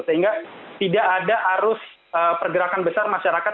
sehingga tidak ada arus pergerakan besar masyarakat